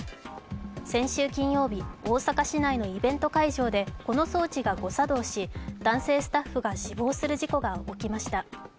先週金曜日大阪市内のイベント会場でこの装置が誤作動し、男性スタッフが死亡する事故が起きました。